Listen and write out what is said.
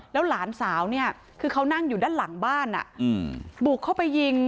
แล้วหลานสาวเนี่ยคือเขานั่งอยู่ด้านหลังบ้านบุกเข้าไปยิง